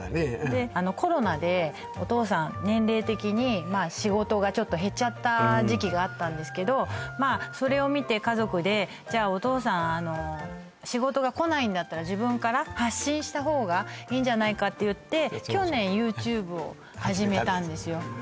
コロナでお父さん年齢的に仕事がちょっと減っちゃった時期があったんですけどまあそれを見て家族で「じゃあお父さん仕事が来ないんだったら」「自分から発信した方がいいんじゃないか」って言って去年ＹｏｕＴｕｂｅを始めたんですよ